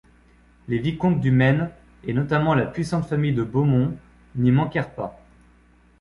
Les vicomtes du Maine, et notamment la puissante famille de Beaumont, n'y manquèrent pas.